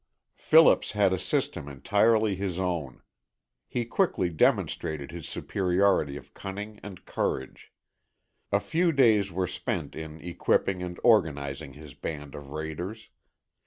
Phillips had a system entirely his own. He quickly demonstrated his superiority of cunning and courage. A few days were spent in equipping and organizing his band of raiders.